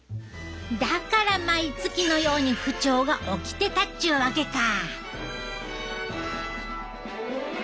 だから毎月のように不調が起きてたっちゅうわけか。